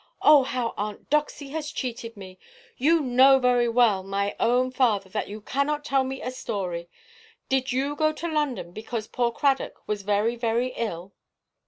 Oh, how Aunt Doxy has cheated me! You know very well, my own father, that you cannot tell me a story. Did you go to London because poor Cradock was very, very ill?"